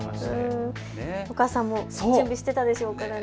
お母さんも準備していたそうですからね。